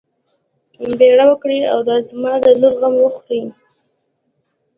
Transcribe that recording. بيړه وکړئ او د زما د لور غم وخورئ.